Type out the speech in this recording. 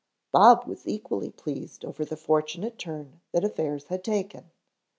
Bob was equally pleased over the fortunate turn that affairs had taken.